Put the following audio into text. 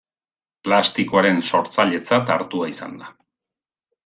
Plastikoaren sortzailetzat hartua izan da.